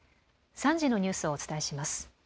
３時のニュースをお伝えします。